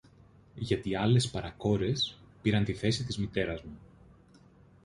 Γιατί άλλες παρακόρες πήραν τη θέση της μητέρας μου